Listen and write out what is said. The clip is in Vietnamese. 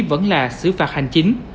vẫn là xử phạt hành chính